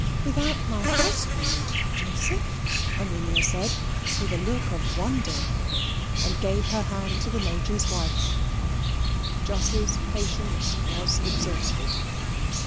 "Without my husband, Joseph?" Amelia said, with a look of wonder, and gave her hand to the Major's wife. Jos's patience was exhausted.